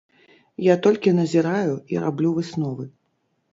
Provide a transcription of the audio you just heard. Я толькі назіраю і раблю высновы.